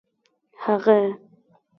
هغه